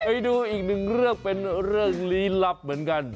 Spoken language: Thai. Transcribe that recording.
อีกหนึ่งเรื่องเป็นเรื่องลี้ลับเหมือนกัน